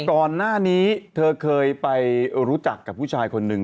ก่อนหน้านี้เธอเคยไปรู้จักกับผู้ชายคนหนึ่ง